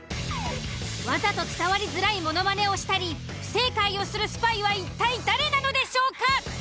ワザと伝わりづらいものまねをしたり不正解をするスパイは一体誰なのでしょうか？